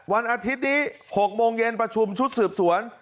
วันอาทิตย์นี้๖โมงเย็นประชุมชุดสืบสวน